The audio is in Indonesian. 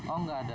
oh gak ada